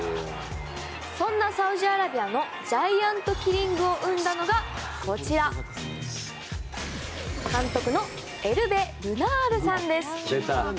そんなサウジアラビアのジャイアントキリングを生んだのがこちら、監督のエルベ・ルナールさんです。